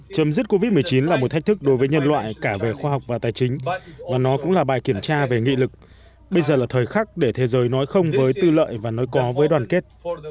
chấm dứt covid một mươi chín là một thách thức đối với nhân loại cả về khoa học và tài chính và nó cũng là bài kiểm tra về nghị lực bây giờ là thời khắc để thế giới nói không với tư lợi và nói có với đoàn kết